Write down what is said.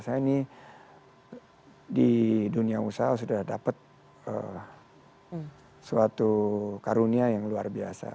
saya ini di dunia usaha sudah dapat suatu karunia yang luar biasa